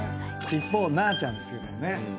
一方なーちゃんですけどもね。